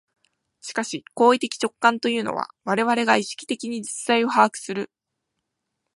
しかし行為的直観というのは、我々が意識的に実在を把握する、